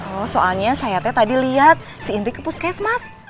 oh soalnya saya tadi lihat si indri kepuskes mas